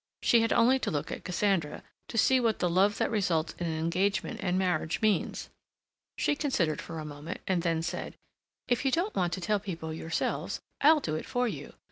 She had only to look at Cassandra to see what the love that results in an engagement and marriage means. She considered for a moment, and then said: "If you don't want to tell people yourselves, I'll do it for you.